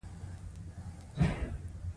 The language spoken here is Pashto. هغه خلک چې د اورېدو له نعمته محروم وو